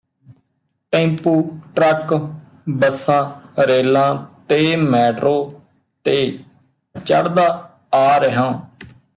tempo truck ਬੱਸਾਂ ਰੇਲਾਂ ਤੇ ਮੈਟਰੋ ਤੇ ਚੜ੍ਹਦਾ ਆ ਰਿਹਾਂ